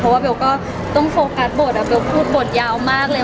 เพราะว่าเบลก็ต้องโฟกัสบทะเบลพูดบทยาวมากเลย